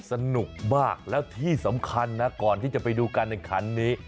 สนุกมากแล้วที่สำคัญนะก่อนที่จะไปดูการแข่งขันนี้